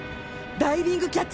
ダイビングキャッチ。